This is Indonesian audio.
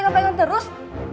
ngapain kan terus